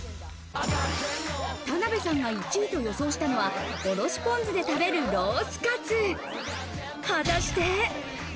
田辺さんが１位と予想したのは、おろしぽん酢で食べるロースかつ。